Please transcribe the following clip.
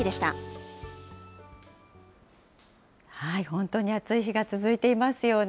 本当に暑い日が続いていますよね。